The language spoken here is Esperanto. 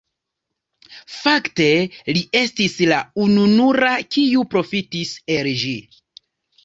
Fakte li estis la ununura kiu profitis el ĝi.